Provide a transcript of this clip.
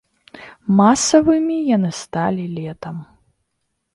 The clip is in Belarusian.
Масавымі яны сталі летам.